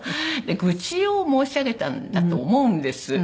愚痴を申し上げたんだと思うんです。